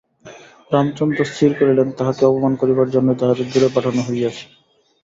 রামচন্দ্র স্থির করিলেন, তাঁহাকে অপমান করিবার জন্যই তাহাদের দূরে পাঠানো হইয়াছে।